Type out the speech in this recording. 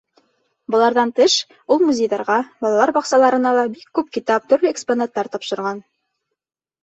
Быларҙан тыш, ул музейҙарға, балалар баҡсаларына ла бик күп китап, төрлө экспонаттар тапшырған.